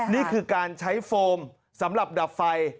นี่คือการใช้โฟมสำหรับดับไฟ